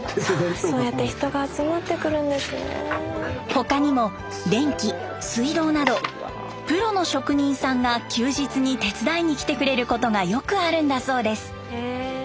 他にも電気水道などプロの職人さんが休日に手伝いに来てくれることがよくあるんだそうです。